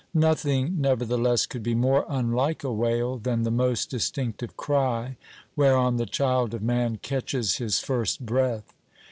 Nothing, nevertheless, could be more unlike a wail than the most distinctive cry whereon the child of man catches his first breath.